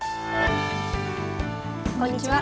こんにちは。